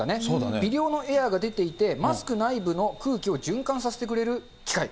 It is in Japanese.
微量のエアが出ていて、マスク内部の空気を循環させてくれる機械。